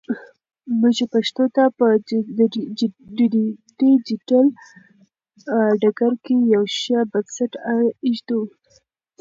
موږ پښتو ته په ډیجیټل ډګر کې یو ښه بنسټ ایږدو.